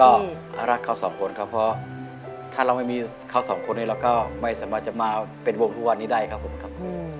ก็รักเขาสองคนครับเพราะถ้าเราไม่มีเขาสองคนนี้เราก็ไม่สามารถจะมาเป็นวงทุกวันนี้ได้ครับผมครับ